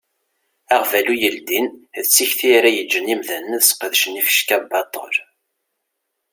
Aɣbalu yeldin d tikti ara yeǧǧen imdanen ad sqedcen ifecka baṭel.